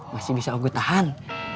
masih bisa ugut tahan